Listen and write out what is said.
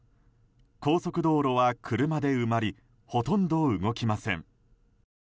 高速道路は車で埋まりほとんど動きません。